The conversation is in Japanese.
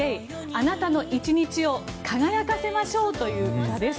あなたの１日を輝かせましょうという歌です。